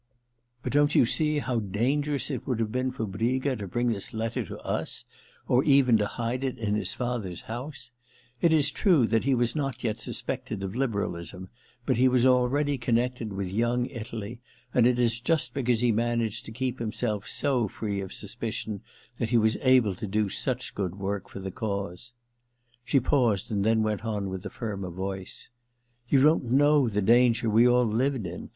But don't you see how dangerous it would have been for Briga to bring this letter to us, or even to hide it in his father's house ? It is true that he was not yet suspected of liberalism, but he was already connected with s 2s8 THE LETTER ii Young Italy, and it is just because he managed to keep himself so free of suspicion that he was able to do such good work for the cause.' She paused, and then went on with a firmer voice. * You don't know the danger we all lived in.